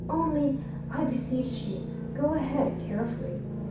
Only, I beseech you, go ahead carefully.